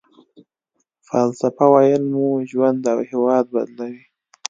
فلسفه ويل مو ژوند او هېواد بدلوي.